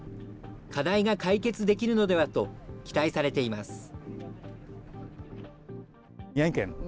課題が解決できるのではと、期待されています。